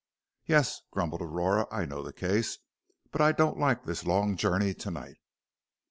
"Yes," grumbled Aurora, "I know the case. But I don't like this long journey to night."